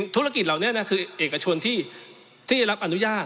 ธุรกิจเหล่านี้คือเอกชนที่ได้รับอนุญาต